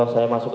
saya masuk ke